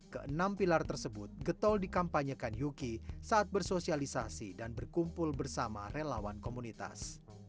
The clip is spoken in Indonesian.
keenam pilar tersebut getol dikampanyekan yuki saat bersosialisasi dan berkumpul bersama relawan komunitas